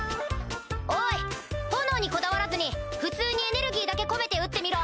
おい炎にこだわらずに普通にエネルギーだけ込めて撃ってみろ。